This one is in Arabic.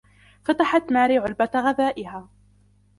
فتحت ماري علبة غذائها.